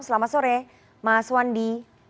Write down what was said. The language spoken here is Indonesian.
selamat sore mas wandi